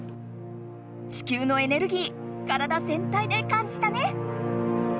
地球のエネルギー体ぜんたいで感じたね！